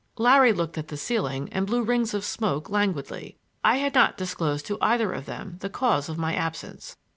Larry looked at the ceiling and blew rings of smoke languidly. I had not disclosed to either of them the cause of my absence.